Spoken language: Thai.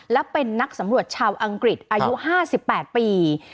และเป็นนักสำรวจชาวอังกฤษอายุ๕๘ปี